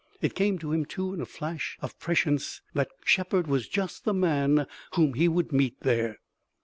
It came to him, too, in a flash of prescience, that Shepard was just the man whom he would meet there.